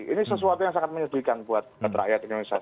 ini sesuatu yang sangat menyedihkan buat rakyat indonesia